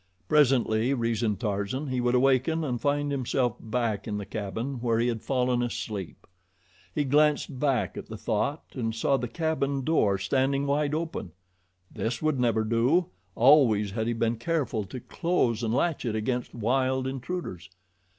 Presently, reasoned Tarzan, he would awaken and find himself back in the cabin where he had fallen asleep. He glanced back at the thought and saw the cabin door standing wide open. This would never do! Always had he been careful to close and latch it against wild intruders.